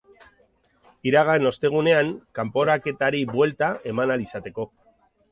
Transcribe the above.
Iragan ostegunean kanporaketari buelta eman ahal izateko.